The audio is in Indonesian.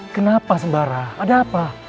kenapa sembara ada apa